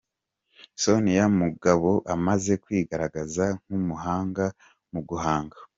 Sonia Mugabo amaze kwigaragaza nk’umuhanga mu guhanga.